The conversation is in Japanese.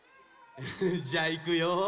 じゃあいくよ。